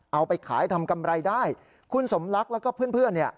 เอาไปขายทำกำไรได้คุณสมลักษณ์แล้วก็เพื่อนเนี่ย